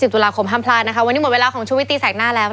ตุลาคมห้ามพลาดนะคะวันนี้หมดเวลาของชุวิตตีแสกหน้าแล้ว